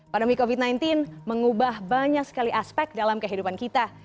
pandemi covid sembilan belas mengubah banyak sekali aspek dalam kehidupan kita